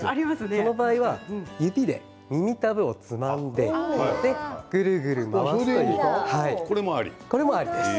そういう人は指で耳たぶをつまんで、ぐるぐる回すこれもありです。